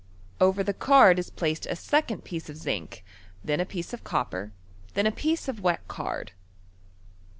Over the card IS placed a second piece of zinc, then a piece of copper, then a piece of wet card.